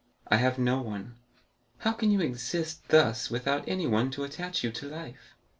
"I have no one." "How can you exist thus without anyone to attach you to life?"